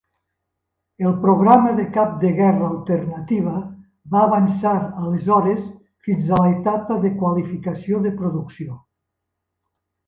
El Programa de Cap de Guerra Alternativa va avançar aleshores fins a l'etapa de qualificació de producció.